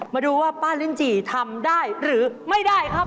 มาดูว่าป้าลิ้นจี่ทำได้หรือไม่ได้ครับ